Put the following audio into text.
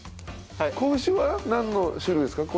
子牛はなんの種類ですか？